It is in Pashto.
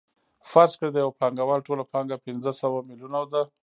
فرض کړئ د یو پانګوال ټوله پانګه پنځه سوه میلیونه ده